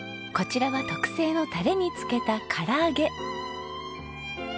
こちらは特製のタレに漬けたから揚げ。